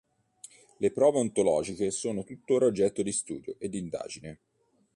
Le prove ontologiche sono tuttora oggetto di studio e di indagine.